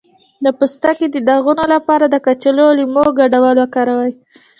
د پوستکي د داغونو لپاره د کچالو او لیمو ګډول وکاروئ